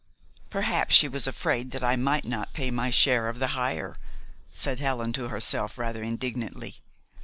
"Perhaps she was afraid I might not pay my share of the hire," said Helen to herself rather indignantly.